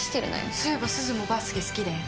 そういえばすずもバスケ好きだよね？